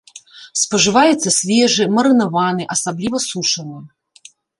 Спажываецца свежы, марынаваны, асабліва сушаны.